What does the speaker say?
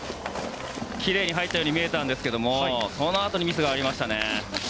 きれいに入ったように見えたんですがそのあとにミスがありましたね。